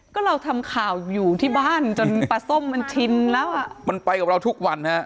ก็เราทำข่าวอยู่ที่บ้านจนปลาส้มมันชินแล้วอ่ะมันไปกับเราทุกวันฮะ